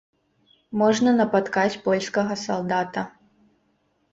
Можна напаткаць польскага салдата.